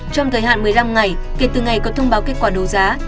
trong thời hạn một mươi năm ngày kể từ ngày có thông báo kết quả đấu giá